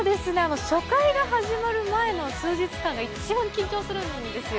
初回が始まる前の数日間が一番緊張するんですよ、